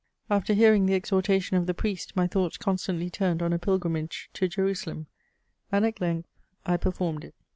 "* After hearing the exhortation of the Priest, my thoughts constantly turned on a pilgrimage to Jerusalem ; and, at length, I performed it.